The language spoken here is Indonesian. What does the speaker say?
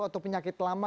atau penyakit lama